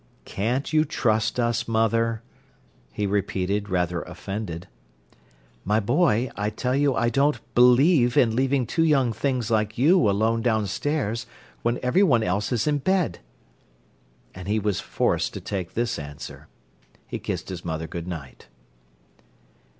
"Can't you trust us, mother?" he repeated, rather offended. "My boy, I tell you I don't believe in leaving two young things like you alone downstairs when everyone else is in bed." And he was forced to take this answer. He kissed his mother good night.